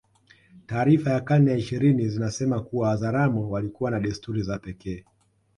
Taarifa za karne ya ishirini zinasema kuwa Wazaramo walikuwa na desturi za pekee